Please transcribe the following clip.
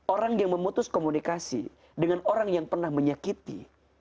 orang yang memutus komunikasi dengan orang yang pernah menyakiti